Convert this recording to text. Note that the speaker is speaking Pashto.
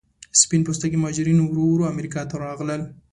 سپین پوستکي مهاجرین ورو ورو امریکا ته راغلل.